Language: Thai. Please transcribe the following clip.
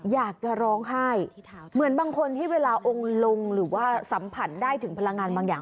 อยากจะร้องไห้เหมือนบางคนที่เวลาองค์ลงหรือว่าสัมผัสได้ถึงพลังงานบางอย่าง